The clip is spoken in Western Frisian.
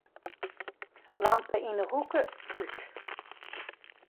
Lampe yn 'e hoeke út.